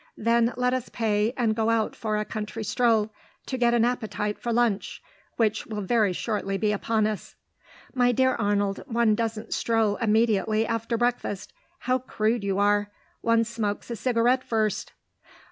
"Then let us pay, and go out for a country stroll, to get an appetite for lunch, which will very shortly be upon us." "My dear Arnold, one doesn't stroll immediately after breakfast; how crude you are. One smokes a cigarette first."